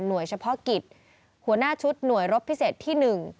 หน่วยเฉพาะกิจหัวหน้าชุดหน่วยรบพิเศษที่หนึ่ง